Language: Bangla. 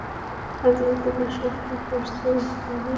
আমি তোমায় শপথ করছি, মারিয়া।